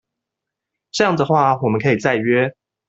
這樣的話我們可以再約